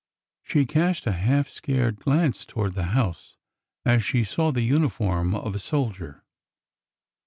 She cast a half scared glance toward the house as she saw the uniform of a soldier.